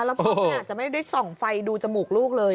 แล้วผมอาจจะไม่ได้ส่องไฟดูจมูกลูกเลย